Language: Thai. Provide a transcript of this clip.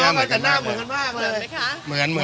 ทำไมใช่เราเนี่ยหนูแบม